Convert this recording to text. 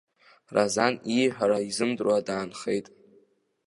Разан ииҳәара изымдыруа даанхеит.